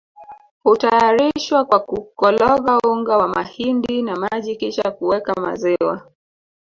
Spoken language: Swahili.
hutayarishwa kwa kukologa unga wa mahindi na maji kisha kuweka maziwa